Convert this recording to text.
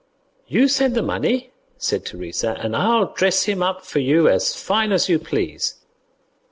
"You send the money," said Teresa, "and I'll dress him up for you as fine as you please."